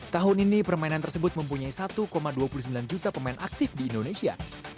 tahun ini permainan tersebut mempunyai satu dua puluh sembilan juta pemain aktif di indonesia